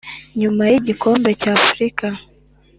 nyuma y igikombe cy Afurika